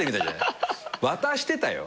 渡してたよ。